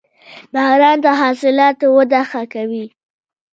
• باران د حاصلاتو وده ښه کوي.